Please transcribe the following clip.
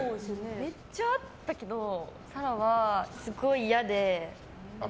めっちゃあったけど紗来はすごい嫌で。